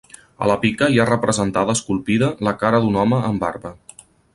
A la pica hi ha representada esculpida la cara d'un home amb barba.